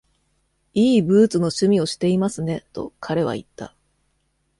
「いいブーツの趣味をしていますね」と彼は言った。